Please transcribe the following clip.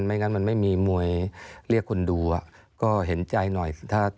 งั้นมันไม่มีมวยเรียกคนดูก็เห็นใจหน่อย